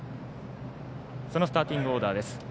スターティングオーダーです。